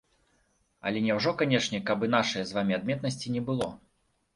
Але няўжо канечне, каб і нашае з вамі адметнасці не было?